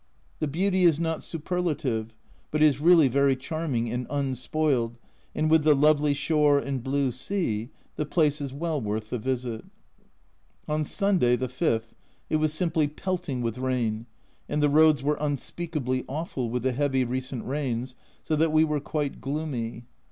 The beauty is not superlative, but is really very charming, and unspoiled, and with the lovely shore and blue sea, the place is well worth the visit. On Sunday (5th) it was simply pelting with rain, and the roads were unspeakably awful with the heavy recent rains, so that we were quite gloomy.